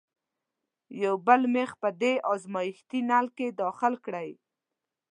یو بل میخ په دې ازمیښتي نل کې داخل کړئ.